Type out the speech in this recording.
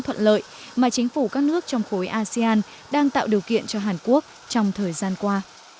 thuận lợi mà chính phủ các nước trong khối asean đang tạo điều kiện cho hàn quốc trong thời gian qua